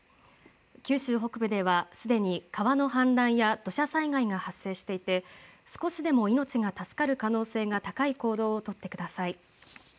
九州北部ではすでに川の氾濫や土砂災害が発生していて少しでも命が助かる可能性が高い行動を取ってください。